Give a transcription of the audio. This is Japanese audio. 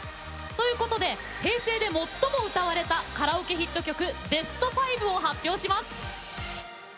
平成で最も歌われたカラオケヒット曲ベスト５を発表します。